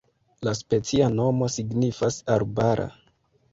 La specia nomo signifas arbara.